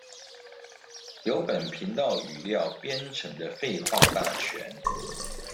由本頻道語料編成的廢話大全